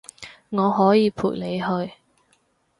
我可以陪你去